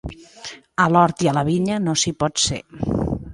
A l'hort i a la vinya no s'hi pot ser.